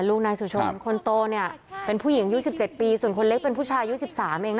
ลูกนายสุโชนคนโตเป็นผู้หญิง๑๗ปีส่วนคนเล็กเป็นผู้ชาย๑๓ปี